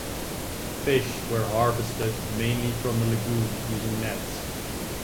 Fish were harvested mainly from the lagoon using nets.